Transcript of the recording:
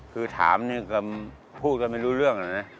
คือถามพูดละไม่รู้เรื่อง